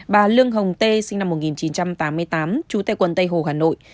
bà lương hồng tê sinh năm một nghìn chín trăm tám mươi tám chú tây quần tây hồ hà nội